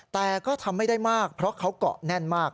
แต่ก็ทำไม่ได้มากเพราะเขาเกาะแน่นมาก